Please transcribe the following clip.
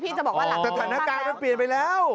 สถานการณ์มันเปลี่ยนไปแล้ว